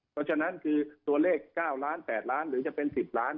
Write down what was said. เพราะฉะนั้นคือตัวเลข๙ล้าน๘ล้านหรือจะเป็น๑๐ล้าน